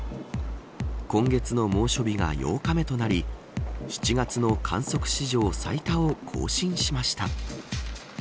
今月の猛暑日が８日目となり７月の観測史上最多を更新しました。